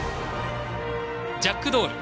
ジャックドール。